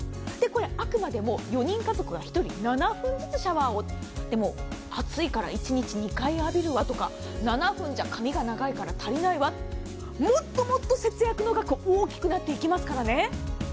あくまでも４人家族が１人７分ずつシャワーを浴びるということで、でも、暑いから一日２回浴びるわとか、髪が長いから７分では足りないわとか、もっともっと節約の額大きくなってきますからね。